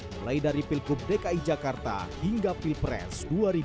mulai dari pilkub dki jakarta hingga pilpres dua ribu dua puluh